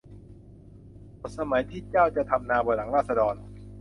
หมดสมัยที่เจ้าจะทำนาบนหลังราษฎร